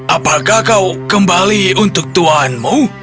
apakah kau kembali untuk tuanmu